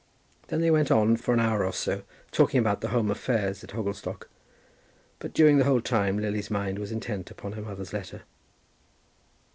Then they went on for an hour or so, talking about the home affairs at Hogglestock. But during the whole time Lily's mind was intent upon her mother's letter.